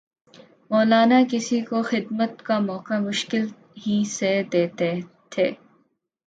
مولانا کسی کو خدمت کا موقع مشکل ہی سے دیتے تھے